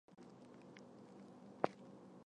暂时安顿下来